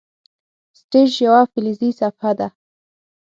سټیج یوه فلزي صفحه ده.